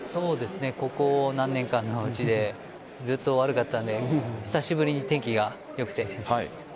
ここ何年かのうちでずっと悪かったので久しぶりに天気が良くて。